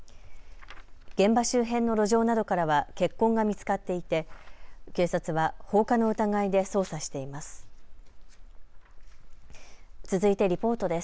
現場周辺の路上などからは血痕が見つかっていて警察は放火の疑いで捜査しています。